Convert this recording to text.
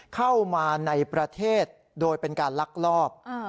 เข้ามาในประเทศโดยเป็นการลักลอบ